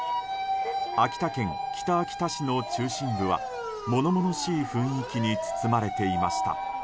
秋田県北秋田市の中心部は物々しい雰囲気に包まれていました。